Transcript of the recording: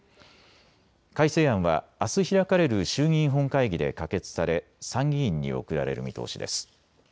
改正案はあす開かれる衆議院本会議で可決され参議院に送られる見通しです。